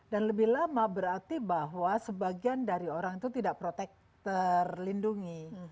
dan lebih lama berarti bahwa sebagian dari orang itu tidak protek terlindungi